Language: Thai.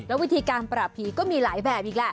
วิธีการปราบผีก็มีหลายแบบอีกแหละ